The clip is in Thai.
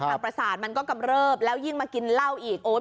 ประสาทมันก็กำเริบแล้วยิ่งมากินเหล้าอีกโอ๊ย